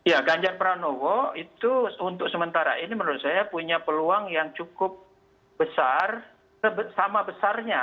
ya ganjar prabowo itu untuk sementara ini menurut saya punya peluang yang cukup besar